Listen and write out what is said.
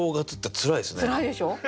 つらいでしょ？